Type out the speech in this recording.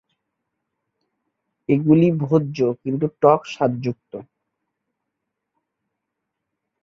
এগুলি ভোজ্য কিন্তু টক স্বাদযুক্ত।